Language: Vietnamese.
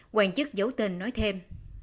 hoàng chức giấu tên nói thêm